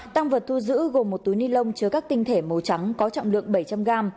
tăng vật thu giữ gồm một túi ni lông chứa các tinh thể màu trắng có trọng lượng bảy trăm linh gram